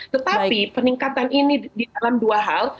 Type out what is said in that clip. tetapi peningkatan ini di dalam dua hal